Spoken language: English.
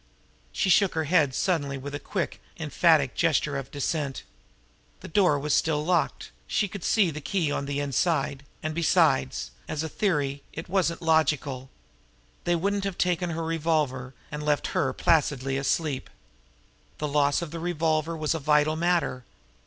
She shook her head suddenly with a quick, emphatic gesture of dissent. The door was still locked, she could see the key on the inside; and, besides, as a theory, it wasn't logical. They wouldn't have taken her revolver and left her placidly asleep! The loss of the revolver was a vital matter.